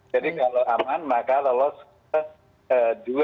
jadi kalau aman maka lolos ke dua